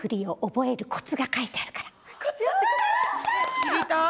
知りたい。